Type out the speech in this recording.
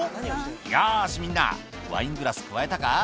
よーし、みんな、ワイングラスくわえたか？